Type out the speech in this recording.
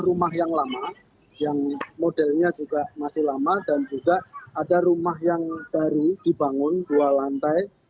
rumah yang lama yang modelnya juga masih lama dan juga ada rumah yang baru dibangun dua lantai